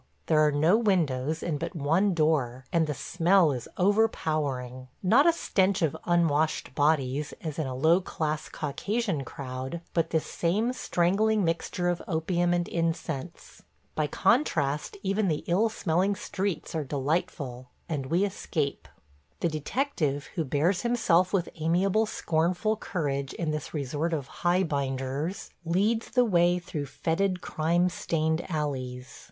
... There are no windows and but one door, and the smell is overpowering. Not a stench of unwashed bodies, as in a low class Caucasian crowd, but this same strangling mixture of opium and incense. By contrast even the ill smelling streets are delightful, and we escape. The detective, who bears himself with amiable, scornful courage in this resort of "Highbinders," leads the way through fetid, crime stained alleys.